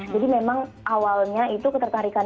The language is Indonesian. jadi memang awalnya itu ketertarikan